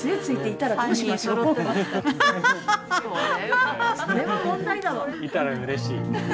いたらうれしいけどね。